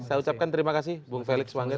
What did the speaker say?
saya ucapkan terima kasih bu felix wangge